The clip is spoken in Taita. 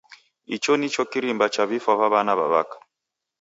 Icho nicho kirimba cha vifwa va w'ana w'a'waka.